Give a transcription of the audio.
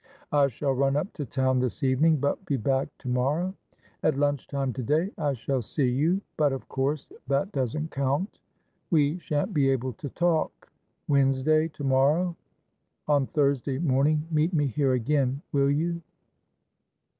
I shall run up to town this evening, but be back to morrow. At lunchtime to day I shall see you, but of course that doesn't count; we shan't be able to talk, Wednesday, to morrow; on Thursday morning meet me here again, will you?"